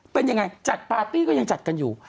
เป็นยังไงจัดปาร์ตี้ก็ยังจัดกันอยู่